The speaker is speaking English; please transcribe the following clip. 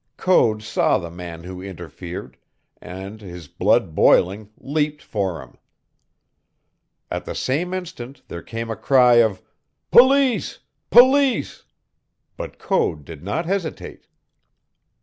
Code saw the man who interfered, and, his blood boiling, leaped for him. At the same instant there came a cry of "Police! Police!" But Code did not hesitate.